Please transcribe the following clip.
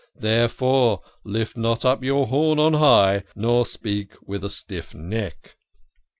There fore, lift not up your horn on high, nor speak with a stiff neck."